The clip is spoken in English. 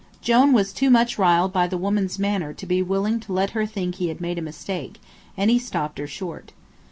Jone was too much riled by the woman's manner to be willing to let her think he had made a mistake, and he stopped her short.